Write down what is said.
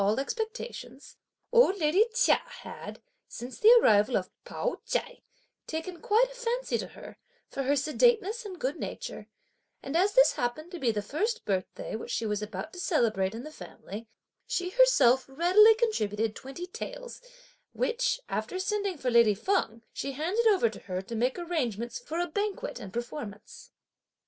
Contrary to all expectations old lady Chia had, since the arrival of Pao ch'ai, taken quite a fancy to her, for her sedateness and good nature, and as this happened to be the first birthday which she was about to celebrate (in the family) she herself readily contributed twenty taels which, after sending for lady Feng, she handed over to her, to make arrangements for a banquet and performance.